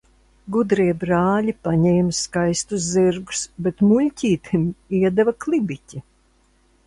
Gudrie brāļi paņēma skaistus zirgus, bet muļķītim iedeva klibiķi.